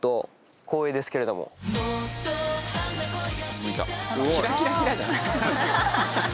「すごい」「キラキラじゃない」